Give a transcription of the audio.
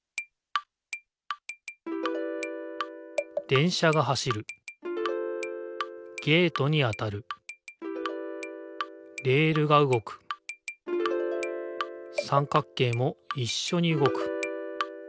電車が走るゲートに当たるレールがうごく三角形もいっしょにうごく。